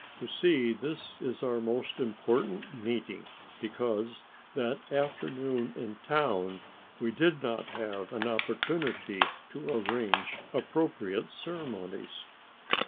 You see this is our most important meeting because that afternoon in town we did not have an opportunity to arrange appropriate ceremonies."